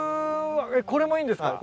これもいいんですか？